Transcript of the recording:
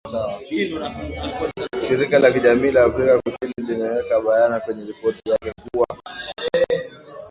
shirika la kijamii la afrika kusini limeweka bayana kwenye ripoti yake kuwa